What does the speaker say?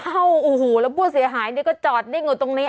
อ้าวโอ้โหแล้วพวกเสียหายก็จอดดิ้งอยู่ตรงนี้